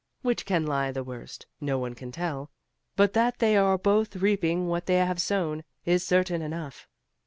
Which can lie the worst, no one can tell, but that they are both reaping what they have sown, is certain enough.